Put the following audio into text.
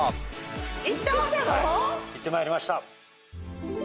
行ってまいりました。